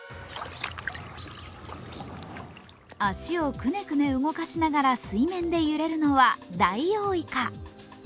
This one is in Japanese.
足をくねくね動かしながら水面で揺れるのはダイオウイカ。